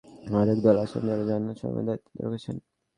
আরেক দল আছেন যাঁরা জান্নাতসমূহের দায়িত্বে রয়েছেন।